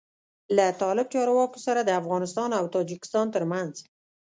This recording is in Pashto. له طالب چارواکو سره د افغانستان او تاجکستان تر منځ